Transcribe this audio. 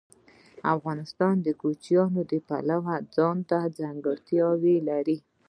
افغانستان د کوچیان د پلوه ځانته ځانګړتیا لري.